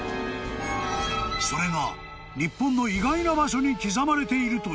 ［それが日本の意外な場所に刻まれているという］